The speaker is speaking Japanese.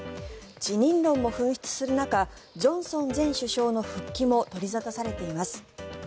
辞任論も噴出する中ジョンソン前首相の復帰も取り沙汰されています。